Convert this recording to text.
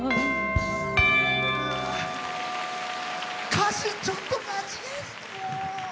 歌詞ちょっと間違えちゃった。